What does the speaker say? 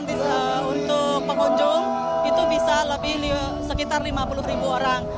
untuk pengunjung itu bisa lebih sekitar lima puluh ribu orang